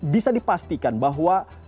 bisa dipastikan bahwa